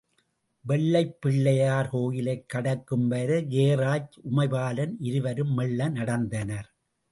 வெள்ளைப் பிள்ளையார் கோயிலைக் கடக்கும் வரை ஜெயராஜ், உமைபாலன் இருவரும் மெள்ள நடந்தனர்.